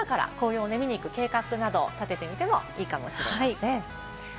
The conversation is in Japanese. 今から紅葉を見に行く計画などを立ててみてもいいかもしれません。